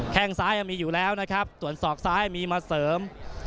แค่งซ้ายยังมีอยู่แล้วนะครับส่วนศอกซ้ายมีมาเสริม